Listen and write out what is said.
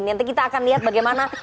nanti kita akan lihat bagaimana